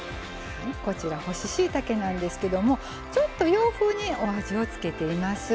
こちら干ししいたけなんですけどちょっと洋風にお味を付けています。